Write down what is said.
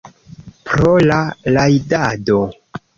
Pro la rajdado.